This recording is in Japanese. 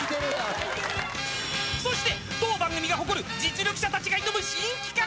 そして当番組が誇る実力者が挑む新企画。